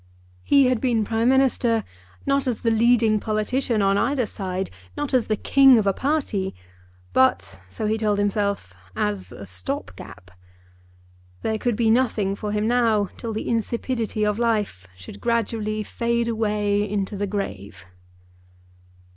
He had been Prime Minister, not as the leading politician on either side, not as the king of a party, but, so he told himself, as a stop gap. There could be nothing for him now till the insipidity of life should gradually fade away into the grave.